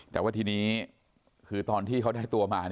แต่ว่าทีนี้คือตอนที่เขาได้ตัวมา